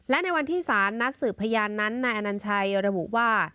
และในวันที่สารนัดสืบพยานนั้นนายอนัญชัยระบุว่า